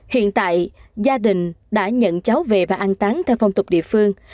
hiện tại gia đình đã nhận cháu về và an tán theo phong tục địa phương